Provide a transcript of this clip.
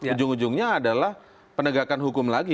ujung ujungnya adalah penegakan hukum lagi